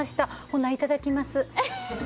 ほな、いただきます。